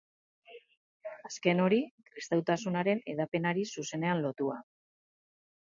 Azken hori, kristautasunaren hedapenari zuzenean lotua.